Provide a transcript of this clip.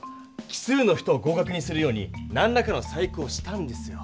奇数の人を合かくにするようになんらかの細工をしたんですよ。